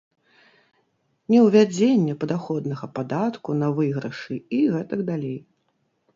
Неўвядзенне падаходнага падатку на выйгрышы і гэтак далей.